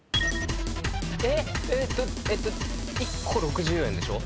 えっと１コ６０円でしょ。